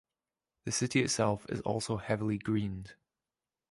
The city itself is also heavily greened.